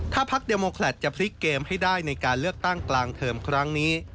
ถ้าพักเดลโมแคลตจะพลิกเกมให้ได้ในการเลือกตั้งกลางเทอมครั้งนี้